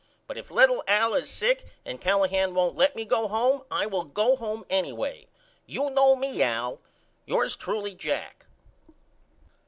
But if little Al is sick and Callahan won't let me go home I will go home anyway. You know me Al. Yours truly, JACK.